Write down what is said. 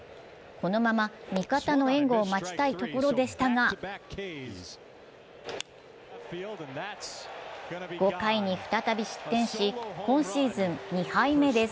このまま味方の援護を待ちたいところでしたが５回に再び失点し、今シーズン２敗目です。